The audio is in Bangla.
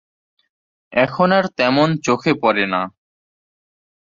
এখন আর তেমন চোখে পড়ে না।